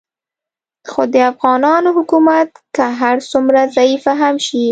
خو د افغانانو حکومت که هر څومره ضعیفه هم شي